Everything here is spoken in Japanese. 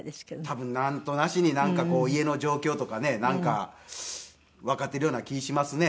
多分なんとなしに家の状況とかねなんかわかっているような気しますね。